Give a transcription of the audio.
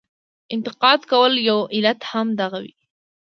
انتقاد کولو یو علت هم دغه وي.